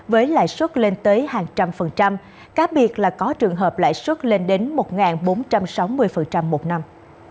với lãi suất lên tới hàng trăm cá biệt là có trường hợp lãi suất lên đến một bốn trăm sáu mươi một năm